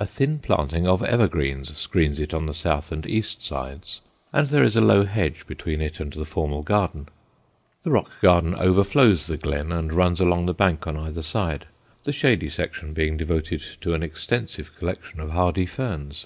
A thin planting of evergreens screens it on the south and east sides, and there is a low hedge between it and the formal garden. The rock garden overflows the glen and runs along the bank on either side, the shady section being devoted to an extensive collection of hardy ferns.